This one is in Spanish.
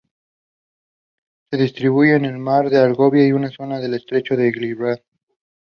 Se distribuye por el mar de Alborán y la zona del estrecho de Gibraltar.